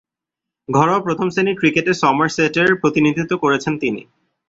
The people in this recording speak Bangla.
ঘরোয়া প্রথম-শ্রেণীর ক্রিকেটে সমারসেটের প্রতিনিধিত্ব করেছেন তিনি।